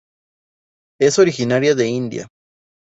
Es originaria de India.